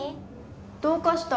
どうかした？